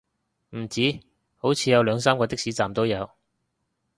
唔止，好似有兩三個的士站都有